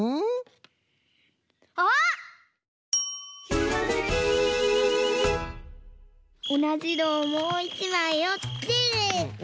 「ひらめき」おなじのをもう１まいおって。